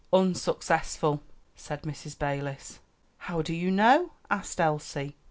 "Unsuccessful," said Mrs. Balis. "How do you know?" asked Elsie.